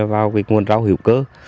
vào cái nguồn rau hiệu cơ